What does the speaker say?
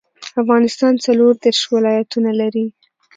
افغانستان څلوردیش ولایتونه لري.